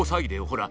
ほら！